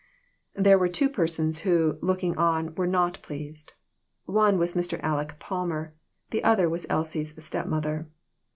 There were two persons who, looking on, were not pleased. One was Mr. Aleck Palmer. The other was Elsie's step mother.